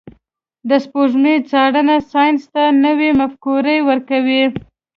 د سپوږمۍ څارنه ساینس ته نوي مفکورې ورکوي.